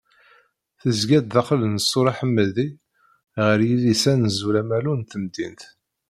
Tezga-d daxel n ssur aḥemmadi ɣer yidis Anẓul-Amalu n temdint.